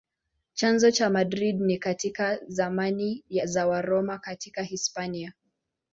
Chanzo cha Madrid ni katika zamani za Waroma katika Hispania.